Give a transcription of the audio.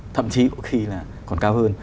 thậm chí có khi là còn cao hơn